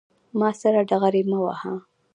ما سره ډغرې مه وهه